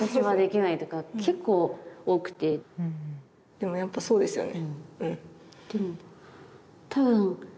でもやっぱそうですよね。